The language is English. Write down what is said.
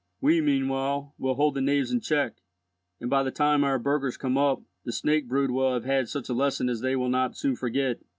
We meanwhile will hold the knaves in check, and, by the time our burghers come up, the snake brood will have had such a lesson as they will not soon forget.